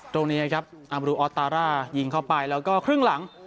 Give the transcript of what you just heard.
ตรงนี้ครับอามรูออสตาร่ายิงเข้าไปแล้วก็ครึ่งหลัง